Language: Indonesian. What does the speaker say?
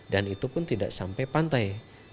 dan itu pun tidak sampai pantai